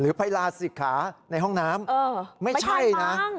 หรือภายลาศิษย์ศิกขาในห้องน้ำไม่ใช่นะ